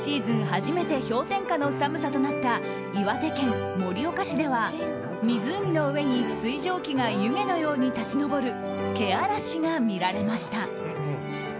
初めて氷点下の寒さとなった岩手県盛岡市では湖の上に水蒸気が湯気のように立ち上るけあらしが見られました。